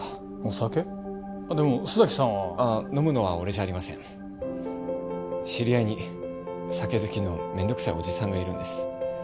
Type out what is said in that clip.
でも須崎さんはああ飲むのは俺じゃありません知り合いに酒好きの面倒くさいおじさんがいるんです